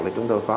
rồi chúng tôi có